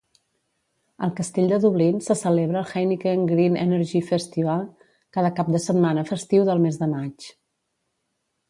Al castell de Dublín se celebra el Heineken Green Energy Festival cada cap de setmana festiu del mes de maig.